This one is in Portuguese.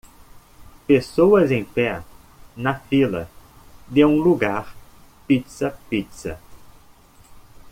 Pessoas em pé na fila de um lugar Pizza Pizza.